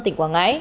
tỉnh quảng ngãi